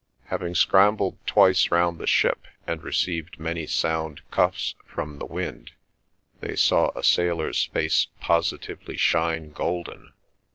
Having scrambled twice round the ship and received many sound cuffs from the wind, they saw a sailor's face positively shine golden.